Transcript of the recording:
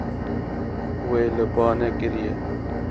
Wê li ba nekiriye.